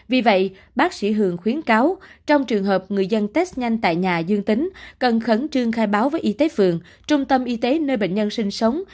vì vậy bác sĩ hường khuyến cáo trong trường hợp người dân test nhanh tại nhà dương tính cần khẩn trương khai báo với y tế phường trung tâm y tế nơi bệnh nhân sinh sống